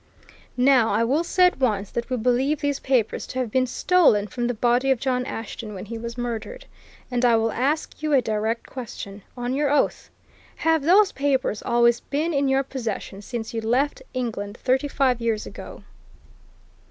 Now, I will say at once that we believe these papers to have been stolen from the body of John Ashton when he was murdered. And I will ask you a direct question, on your oath! Have those papers always been in your possession since you left England thirty five years ago?"